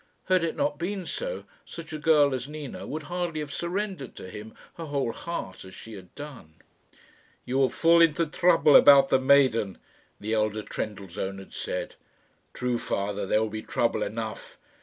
Had it not been so, such a girl as Nina would hardly have surrendered to him her whole heart as she had done. "You will fall into trouble about the maiden," the elder Trendellsohn had said. "True, father; there will be trouble enough.